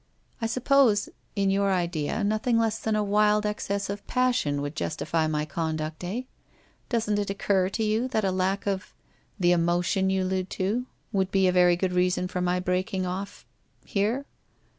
I suppose, in your idea, nothing less than a wild excess of passion would justify my conduct, eh? Doesn't it occur to you that a lack of — the emotion you allude to would be a very good reason for my breaking off — here?